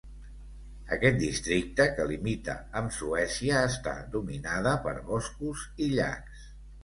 Aquest districte, que limita amb Suècia, està dominada per boscos i llacs.